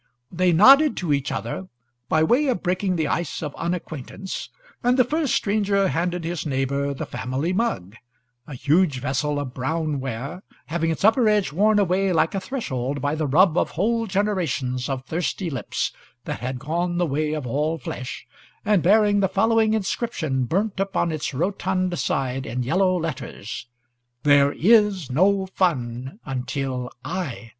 They nodded to each other way of breaking the ice of unacquaintance, and the first stranger handed his neighbour the large mug a huge vessel of brown ware, having its upper edge worn away, like a threshold, by the rub of whole genealogies of thirsty lips that had gone the way of all flesh, and bearing the following inscription burned upon its rotund side in yellow letters: THERE IS NO FUN UNTILL I CUM.